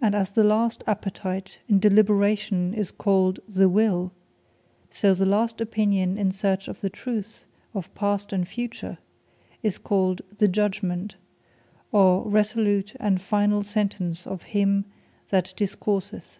And as the last Appetite in Deliberation is called the Will, so the last Opinion in search of the truth of Past, and Future, is called the JUDGEMENT, or Resolute and Final Sentence of him that Discourseth.